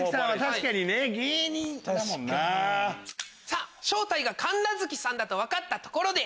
さぁ正体が神奈月さんだと分かったところで。